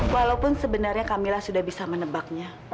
walaupun sebenarnya camillah sudah bisa menebaknya